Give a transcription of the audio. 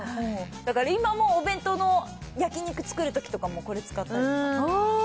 だから今もお弁当の焼肉作るときとかも、これ使ったりとか。